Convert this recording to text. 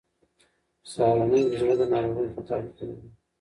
سهارنۍ د زړه د ناروغۍ خطر کموي.